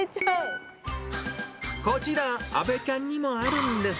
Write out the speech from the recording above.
こちら、あべちゃんにもあるんです。